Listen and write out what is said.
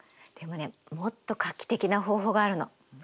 でもねもっと画期的な方法があるの。